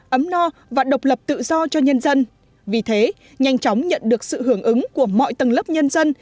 ấm no và độc lập tự do cho nhân dân vì thế nhanh chóng nhận được sự hưởng ứng của mọi tầng lớp nhân dân